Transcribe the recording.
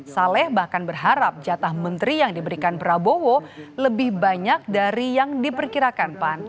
saleh bahkan berharap jatah menteri yang diberikan prabowo lebih banyak dari yang diperkirakan pan